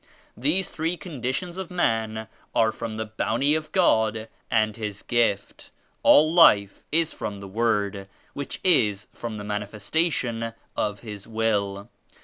These three conditions of man are from the Bounty of God and His Gift. All Life is from the Word which is from the Manifestation of His Will.